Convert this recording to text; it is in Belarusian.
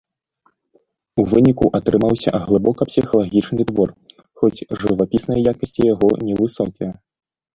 У выніку атрымаўся глыбока псіхалагічны твор, хоць жывапісныя якасці яго невысокія.